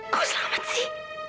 kau selamat sih